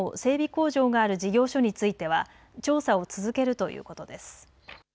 工場がある事業所については調査を続けるということです。